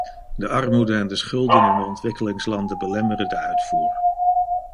De armoede en de schulden in de ontwikkelingslanden belemmeren de uitvoer.